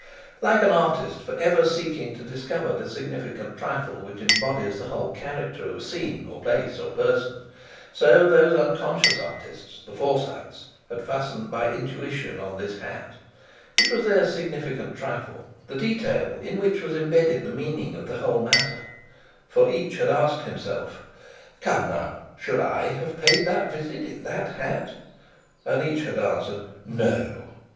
Like an artist for ever seeking to discover the significant trifle which embodies the whole character of a scene, or place, or person, so those unconscious artists—the Forsytes had fastened by intuition on this hat; it was their significant trifle, the detail in which was embedded the meaning of the whole matter; for each had asked himself: "Come, now, should I have paid that visit in that hat?" and each had answered "No!"